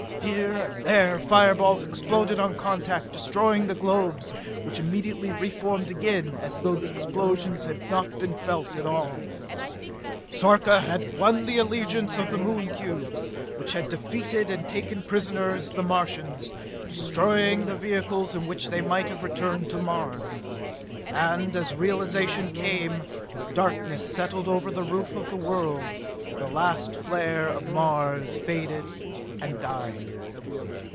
Here and there fire balls exploded on contact, destroying the globes, which immediately reformed again, as though the explosions had not been felt at all. Sarka had won the allegiance of the Moon cubes, which had defeated and taken prisoners the Martians, destroying the vehicles in which they might have returned to Mars. And as realization came, darkness settled over the roof of the world; the last flare of Mars faded and died.